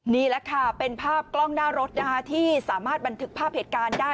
นี่แหละค่ะเป็นภาพกล้องหน้ารถนะคะที่สามารถบันทึกภาพเหตุการณ์ได้